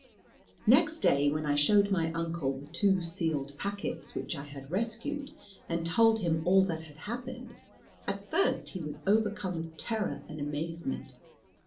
Next day when I showed my uncle the two sealed packets which I had rescued, and told him all that had happened, at first he was overcome with terror and amazement.